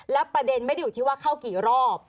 และประเด็นไม่ได้อยู่ที่ว่าเข้ากี่รอบ